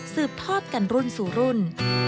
ทอดกันรุ่นสู่รุ่น